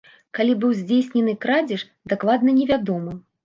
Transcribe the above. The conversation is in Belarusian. Калі быў здзейснены крадзеж, дакладна невядома.